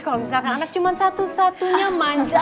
kalau misalkan anak cuma satu satunya manja